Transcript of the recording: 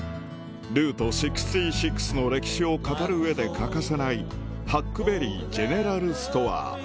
ルート６６の歴史を語る上で欠かせないハックベリージェネラルストア